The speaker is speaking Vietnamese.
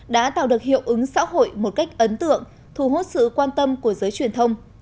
đã tạo được hiệu ứng xã hội một cách ấn tượng thu hút sự quan tâm của giới truyền thông